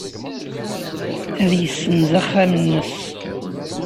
Ad yessenz axxam-nnes.